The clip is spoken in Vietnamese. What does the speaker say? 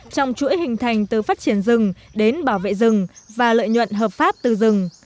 trong chuỗi hình thành từ phát triển rừng đến bảo vệ rừng và lợi nhuận hợp pháp từ rừng